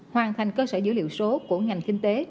hoàn thành cơ sở dữ liệu số của ngành kinh tế